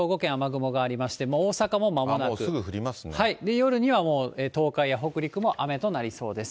夜には東海や北陸にも雨となりそうです。